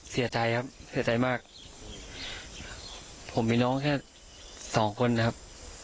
เสียใจครับเสียใจมากผมมีน้องแค่สองคนนะครับ